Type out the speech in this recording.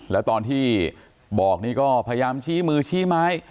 แล้วตอนที่บอกนี่ก็พยายามชี้มือชี้ไม้